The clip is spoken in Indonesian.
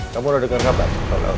kamu udah dekernya pak